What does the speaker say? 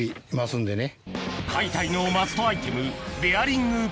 解体のマストアイテム